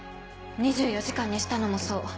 ２４時間にしたのもそう。